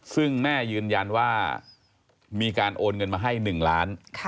ซึ่งแม่ยืนยันว่ามีการโอนเงินมาให้๑ล้าน